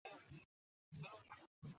পৃথিবীর দৃষ্টিভংগি আমি পাল্টাতে পারব না।